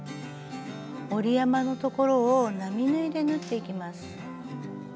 折り山の所を並縫いで縫っていきます。